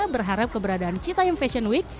berharap keberadaan citayung fashion week